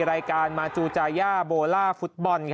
รายการมาจูจายาโบล่าฟุตบอล